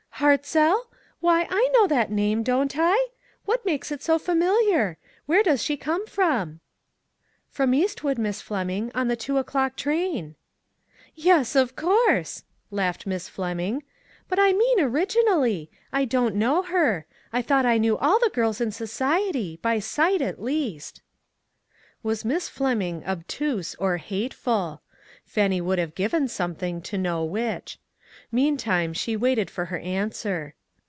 "Hartzell? Why, I know that name, don't I ? What makes it so familiar ? Where does she come from ?" "From Eastwood, Miss Fleming, on the two o'clock train." SOCIETY CIRCLES. 8 1 "Yes, of course," laughed Miss Fleming, "but I mean originally. I don't know her. I thought I knew all the girls in society, by sight at least." Was Miss Fleming obtuse or hateful ? Fannie would have given something to know which. Meantime, she waited for her an swer.